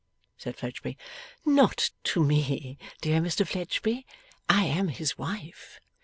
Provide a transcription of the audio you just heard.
said Fledgeby. 'Not to me, dear Mr Fledgeby. I am his wife.